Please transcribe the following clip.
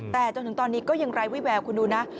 แต่จนถึงตอนนี้ก็ยังไร้วิแววคุณดูนะ